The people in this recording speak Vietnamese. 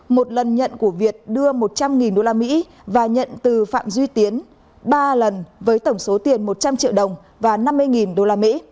một lần nhận của việt đưa một trăm linh usd và nhận từ phạm duy tiến ba lần với tổng số tiền một trăm linh triệu đồng và năm mươi usd